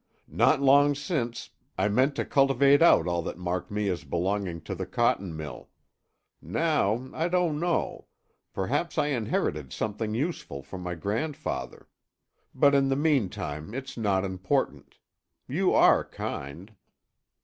Not long since, I meant to cultivate out all that marked me as belonging to the cotton mill. Now I don't know Perhaps I inherited something useful from my grandfather; but in the meantime it's not important. You are kind."